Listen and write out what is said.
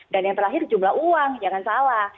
dan yang terakhir jumlah uang jangan salah